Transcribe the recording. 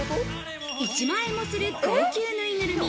１万円もする高級ぬいぐるみ。